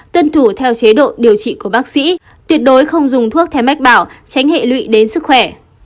tuân thủ theo chế độ điều trị của bác sĩ tuyệt đối không dùng thuốc theo mách bảo tránh hệ lụy đến sức khỏe